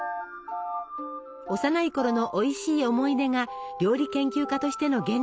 幼いころのおいしい思い出が料理研究家としての原点です。